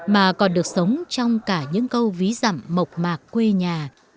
mà còn được sống trong cả những câu ví dặm mộc mạc quê nhà